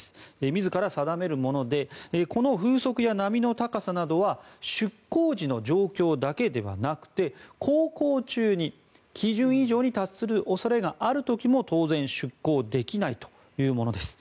自ら定めるものでこの風速や波の高さなどは出航時の状況だけではなくて航行中に基準以上に達する恐れがある時も当然出航できないというものです。